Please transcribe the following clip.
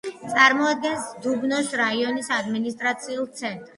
წარმოადგენს დუბნოს რაიონის ადმინისტრაციულ ცენტრს.